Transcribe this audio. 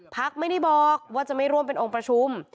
พักไม่ได้บอกว่าจะไม่ร่วมเป็นองค์ประชุม